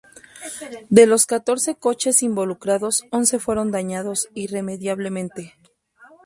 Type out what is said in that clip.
De los catorce coches involucrados, once fueron dañados irremediablemente.